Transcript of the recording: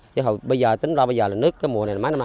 chứ không bây giờ tính ra bây giờ là nước cái mùa này